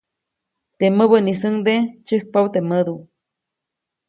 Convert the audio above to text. Teʼ mäbäʼnisuŋde tsyäjkpabä teʼ mädu.